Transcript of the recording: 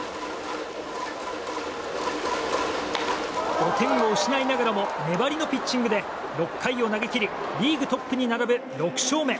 ５点を失いながらも粘りのピッチングで６回を投げ切りリーグトップに並ぶ６勝目。